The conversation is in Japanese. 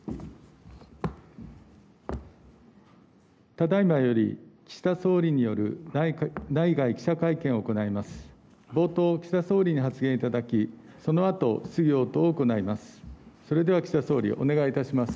ただいまより岸田総理による内外記者会見を行います。